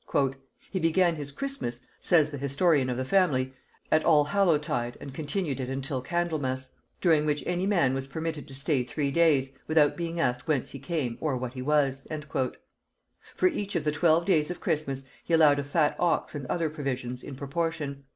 "He began his Christmas," says the historian of the family, "at Allhallowtide and continued it until Candlemas; during which any man was permitted to stay three days, without being asked whence he came or what he was." For each of the twelve days of Christmas he allowed a fat ox and other provisions in proportion.